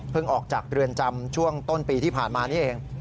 ออกจากเรือนจำช่วงต้นปีที่ผ่านมานี่เอง